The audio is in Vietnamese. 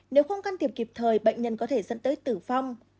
nếu không can thiệp kịp thời bệnh nhân có thể dẫn tới tử vong